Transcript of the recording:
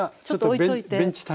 ちょっと置いておいて。